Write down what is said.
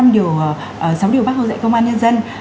năm điều sáu điều bác hồ dạy công an nhân dân